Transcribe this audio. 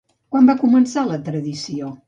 Quan va començar la tradició?